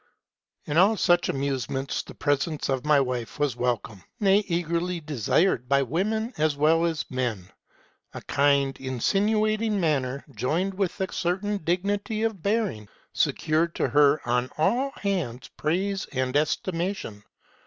" In all such amusements the presence of my wife was welcome, nay, eagerly desired, by women as well as men. A kind, insinuating manner, joined with a certain dignity of bearing, secured to her on all hands praise and estimation.